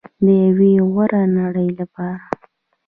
د یوې غوره نړۍ لپاره.